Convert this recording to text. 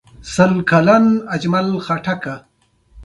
که موږ سره يو نه سو نو نېکمرغي نه راځي.